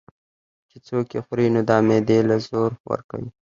چې څوک ئې خوري نو دا معدې له زور ورکوي